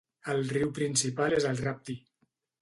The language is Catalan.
El riu principal és el Rapti.